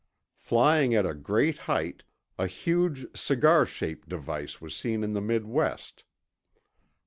Flying at a great height, a huge cigar shaped device was seen in the Midwest.